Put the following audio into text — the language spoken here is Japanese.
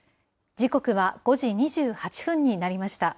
時刻は５時２８分になりました。